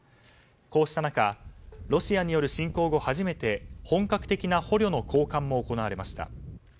こうした中ロシアによる侵攻後初めて本格的な捕虜の交換も行われました。